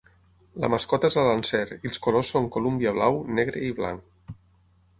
La mascota és la Lancer i els colors són Columbia blau, negre i blanc.